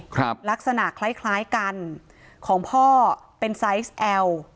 ครับลักษณะคล้ายคล้ายกันของพ่อเป็นไซส์แอล